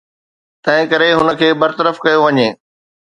تنهنڪري هن کي برطرف ڪيو وڃي